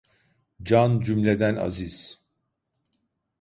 Can cümleden aziz.